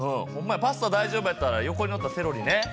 ほんまやパスタ大丈夫やったら横に載ったセロリね。